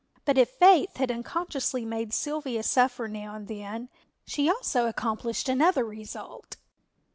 But if Faith had unconsciously made Sylvia suffer now and then, she also accomplished another result.